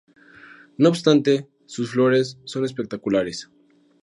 No obstante, sus flores son espectaculares.